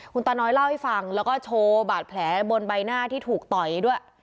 คุณตาน้อยเล่าให้ฟังแล้วก็โชว์บาดแผลบนใบหน้าที่ถูกต่อยด้วย